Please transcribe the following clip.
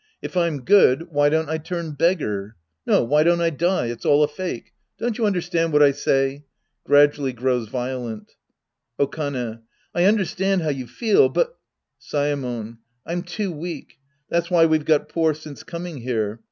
If I'm good, why don't I turn beggar? No, why don't I die ? It's all a fake. Don't you understand what I say ? (Gradually grows violent^ Okane. I understand how you feel, but — Saemon. I'm too weak. That's why we've got poor since coming here.